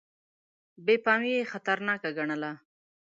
بې پامي یې خطرناکه ګڼله.